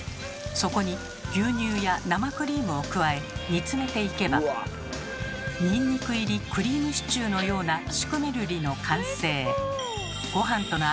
そこに牛乳や生クリームを加え煮詰めていけばニンニク入りクリームシチューのようなシュクメルリの完成。